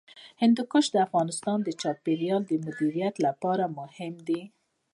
هندوکش د افغانستان د چاپیریال د مدیریت لپاره مهم دي.